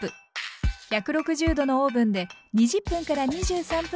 １６０℃のオーブンで２０分から２３分間焼きましょう。